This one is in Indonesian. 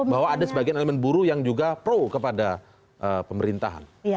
bahwa ada sebagian elemen buruh yang juga pro kepada pemerintahan